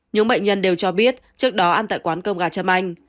những bệnh nhân đều cho biết trước đó ăn tại quán cơm gà châm anh